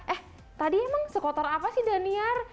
eh tadi emang sekotor apa sih daniar